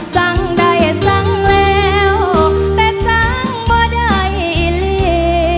สั่งได้สั่งแล้วแต่สั่งบ่ได้ลี